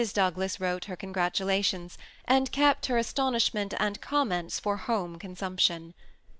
Douglas wrote her congratulations, and kept her astonishment and com ments for home consumption.